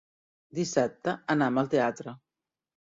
Dissabte anam al teatre.